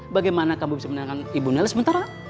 bagaimana kamu bisa menenangkan ibu nela sementara